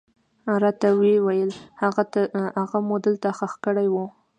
راته ويې ويل هغه مو دلته ښخ کړى و.